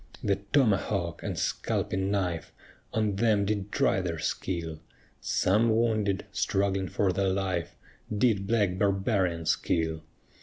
The tomahawk and scalping knife On them did try their skill; Some wounded, struggling for their life, Did black barbarians kill.